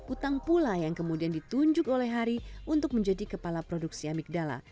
utang pula yang kemudian ditunjuk oleh hari untuk menjadi kepala produksi amigdala